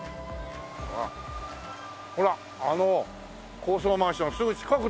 ほらあの高層マンションすぐ近くだよ。